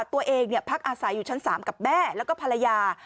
พักอาศัยอยู่ชั้น๓กับแม่แล้วก็ภรรยา